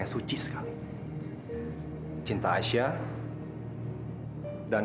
jangan lupa jika aku tidak terima awak ni